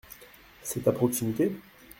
C’est à proximité ?